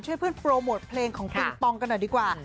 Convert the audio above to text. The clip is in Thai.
ช่วยเพื่อนโปรโมทเพลงของปิงปองกันหน่อยดีกว่า